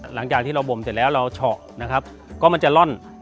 หลังจากที่เราบ่มเสร็จแล้วเราเฉาะนะครับก็มันจะร่อน